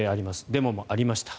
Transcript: デモもありました。